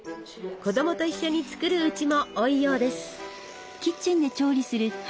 子供と一緒に作るうちも多いようです。